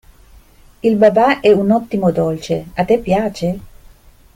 Il babà è un ottimo dolce, a te piace?